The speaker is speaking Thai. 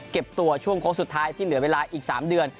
ตัวช่วงโค้งสุดท้ายที่เหลือเวลาอีก๓เดือน